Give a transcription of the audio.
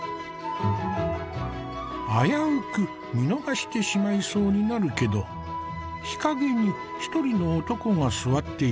危うく見逃してしまいそうになるけど日陰に一人の男が座っている。